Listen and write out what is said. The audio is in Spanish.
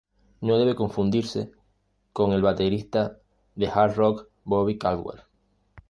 No debe confundirse con el baterista de hard rock, Bobby Caldwell.